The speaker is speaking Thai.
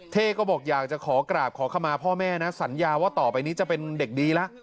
เท่ก็บอกอยากจะขอกราบขอเข้ามาพ่อแม่นะสัญญาว่าต่อไปนี้จะเป็นเด็กดีแล้ว